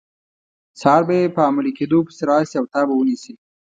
سهار به یې په عملي کیدو پسې راشي او تا به ونیسي.